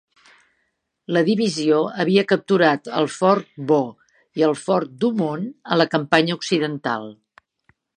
La divisió havia capturat el fort Vaux i el fort Douaumont a la campanya occidental.